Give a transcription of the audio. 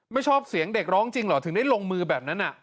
ไม่ชอบเสียงเด็กร้องจริงเหรอถึงได้ลงมือแบบนั้น